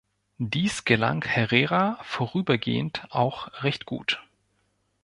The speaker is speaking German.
Dies gelang Herrera vorübergehend auch recht gut.